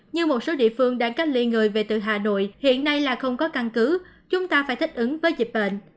như một số địa phương đang cách ly người về từ hà nội hiện nay là không có căn cứ chúng ta phải thích ứng với dịch bệnh